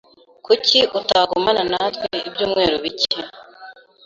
Kuki utagumana natwe ibyumweru bike?